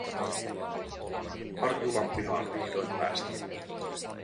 Harjulan pihaan vihdoin päästiin.